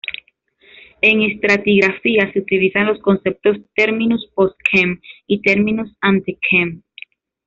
En estratigrafía, se utilizan los conceptos terminus post quem y terminus ante quem.